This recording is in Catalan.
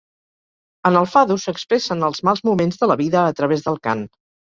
En el fado s'expressen els mals moments de la vida a través del cant.